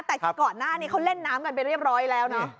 แต่คือก่อนหน้านี้เขาเล่นน้ำกันไปเรียบร้อยแล้วนะ